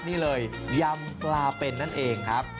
นี่เลยยำปลาเป็นนั่นเองครับ